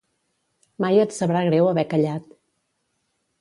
Mai et sabrà greu haver callat.